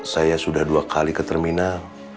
saya sudah dua kali ke terminal